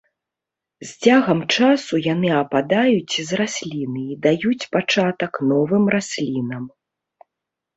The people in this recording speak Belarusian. З цягам часу яны ападаюць з расліны і даюць пачатак новым раслінам.